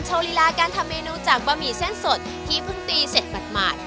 ลีลาการทำเมนูจากบะหมี่เส้นสดที่เพิ่งตีเสร็จหมาด